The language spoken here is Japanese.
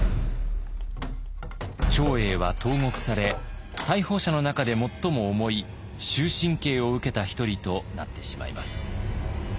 長英は投獄され逮捕者の中で最も重い終身刑を受けた一人となってしまいます。